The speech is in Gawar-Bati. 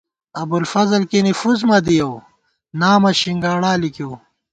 ابُوالفضل کېنے فُس مہ دِیَؤ ، نامہ شِنگاڑا لِکِیؤ